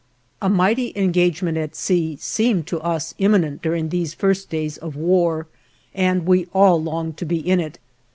A mighty engagement at sea seemed to us imminent during these first days of war, and we all longed to be in it.